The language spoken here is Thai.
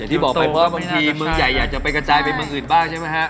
ที่บอกไปว่าบางทีเมืองใหญ่อยากจะไปกระจายไปเมืองอื่นบ้างใช่ไหมฮะ